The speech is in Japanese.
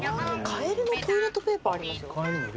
カエルのトイレットペーパーありますよ。